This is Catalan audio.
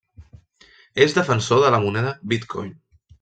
És defensor de la moneda Bitcoin.